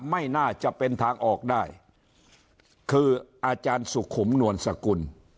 ไม่น่าจะเป็นทางออกได้คืออาจารย์สุขุมนวลสกุล